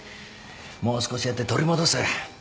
もう少しやって取り戻せ。